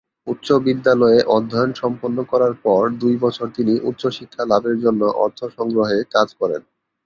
উচ্চ বিদ্যালয়ে অধ্যয়ন সম্পন্ন করার পর দুই বছর তিনি উচ্চশিক্ষা লাভের জন্য অর্থ সংগ্রহে কাজ করেন।